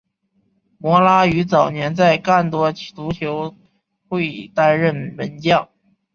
摩拉于早年在干多足球会担任门将。